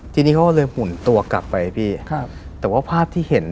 ทีนี้เขาเลยหมุนตัวกลับไปพี่